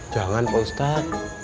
jangan pak ustadz